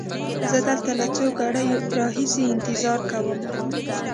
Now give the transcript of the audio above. زه دلته له څو ګړیو را هیسې انتظار کومه.